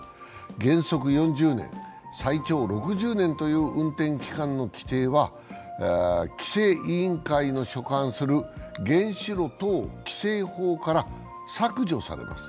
原則４０年、最長６０年という運転期間の規定は規制委員会の所管する原子炉等規制法から削除されます。